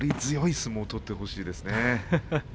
相撲を取ってほしいですね。